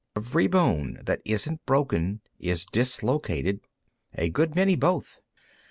Every bone that isn't broken is dislocated; a good many both.